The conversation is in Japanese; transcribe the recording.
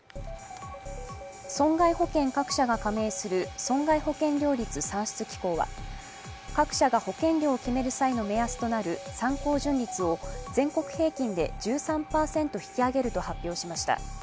損害保険各社が加盟する損害保険料率算出機構は、各社が保険料を決める際の目安となる参考純率を全国平均で１３％引き上げると発表しました。